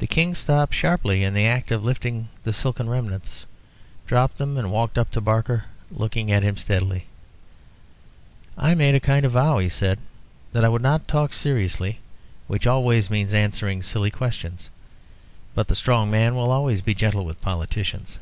The King stopped sharply in the act of lifting the silken remnants, dropped them, and walked up to Barker, looking at him steadily. "I made a kind of vow," he said, "that I would not talk seriously, which always means answering silly questions. But the strong man will always be gentle with politicians.